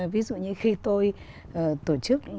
ví dụ như khi tôi tổ chức